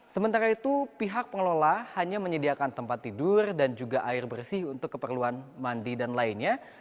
sementara itu pihak pengelola hanya menyediakan tempat tidur dan juga air bersih untuk keperluan mandi dan lainnya